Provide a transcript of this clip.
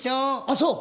あっそう？